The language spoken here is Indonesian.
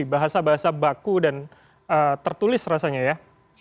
bahasa bahasa baku dan tertulis rasanya ya